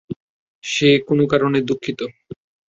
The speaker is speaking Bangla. সে কোনো কারণে দুঃখিত।